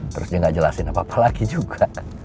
terus dia gak jelasin apa apa lagi juga